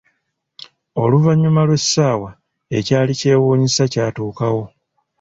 Oluvanyuma lw'esaawa, ekyali kyewunyisa kyatukawo.